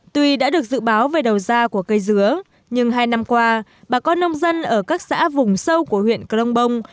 tuy đã được dự báo về đầu ra của cây dứa nhưng hai năm qua bà con nông dân ở các xã vùng sâu của huyện crong bông